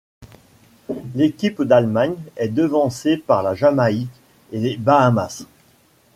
L'équipe d'Allemagne est devancée par la Jamaïque et les Bahamas.